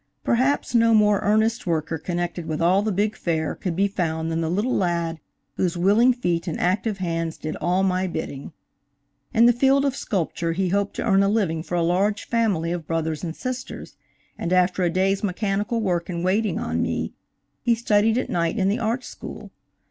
Perhaps no more earnest worker connected with all the big fair could be found than the little lad whose willing feet and active hands did all my bidding. In the field of sculpture he hoped to earn a living for a large family of brothers and sisters, and after a day's mechanical work in waiting on me, he studied at night in the Art School.